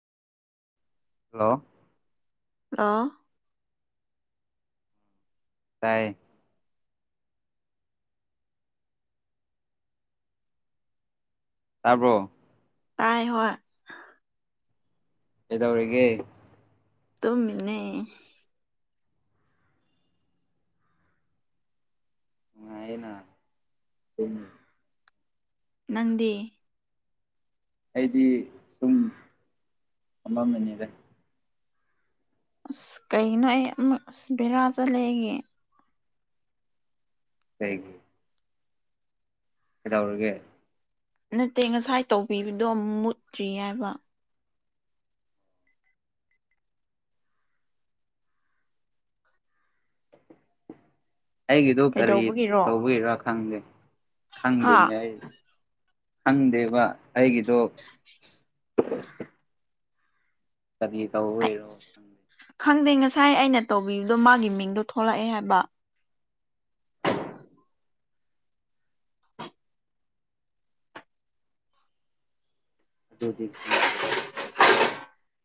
hello hello ꯇꯥꯏꯌꯦ ꯇꯥꯕ꯭ꯔꯣ ꯇꯥꯏ ꯍꯣꯏ ꯀꯩꯗꯧꯔꯤꯒꯦ ꯇꯨꯝꯃꯤꯅꯦ ꯅꯨꯡꯉꯥꯏꯌꯦꯅ ꯇꯨꯝ ꯅꯪꯗꯤ ꯑꯩꯗꯤ ꯁꯨꯝ ꯐꯝꯃꯝꯃꯤꯅꯤꯗ ꯑꯁ ꯀꯩꯒꯤꯅꯣ ꯑꯩ ꯑꯃꯛ ꯑꯁ ꯕꯦꯔꯥ ꯆꯠꯂꯦ ꯑꯩꯒꯤ ꯀꯩꯒꯤ ꯀꯩꯗꯧꯔꯒꯦ ꯅꯠꯇꯦ ꯉꯁꯥꯏ ꯇꯧꯕꯤꯕꯗꯣ ꯃꯨꯠꯇ꯭ꯔꯤ ꯍꯥꯏꯕ ꯑꯩꯒꯤꯗꯨ ꯀꯔꯤ ꯀꯩꯗꯧꯕꯒꯤꯔꯣ ꯇꯧꯕꯤꯔꯥ ꯈꯪꯗꯦ ꯍꯥ ꯈꯪꯗꯦꯅꯤ ꯑꯩ ꯈꯪꯗꯦꯕ ꯑꯩꯒꯤꯗꯣ ꯀꯔꯤ ꯇꯧꯕꯩꯔꯣ ꯈꯪꯗꯦ ꯈꯪꯗꯦ ꯉꯁꯥꯏ ꯑꯩꯅ ꯇꯧꯕꯤꯕꯗꯣ ꯃꯥꯒꯤ ꯃꯤꯡꯗꯣ ꯊꯣꯛꯂꯛꯑꯦ ꯍꯥꯏꯕ ꯑꯗꯨꯗꯤ ꯈꯪꯗ꯭ꯔꯦ